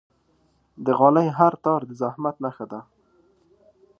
د غالۍ هر تار د زحمت نخښه ده.